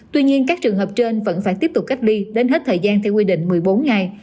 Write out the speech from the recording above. tuy nhiên các trường hợp trên vẫn phải tiếp tục cách ly đến hết thời gian theo quy định một mươi bốn ngày